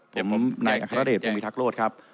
ผมไหนอักฤดผมมีทักโลศ์ครับ